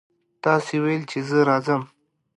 تاسې ویل چې زه راځم.